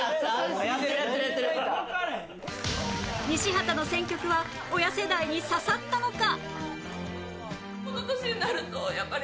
西畑の選曲は親世代に刺さったのか？